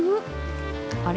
あれ？